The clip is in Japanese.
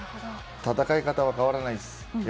戦い方は変わらないです。